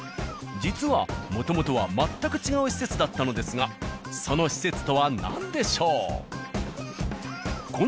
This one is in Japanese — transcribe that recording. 実はもともとは全く違う施設だったのですがその施設とは何でしょう？